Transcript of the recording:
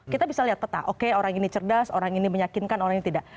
kita bisa lihat peta oke orang ini cerdas orang ini meyakinkan orang yang tidak